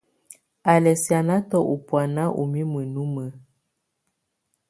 Á lɛ́ sìánatɔ́ ú bùána ú mimǝ́ númǝ́.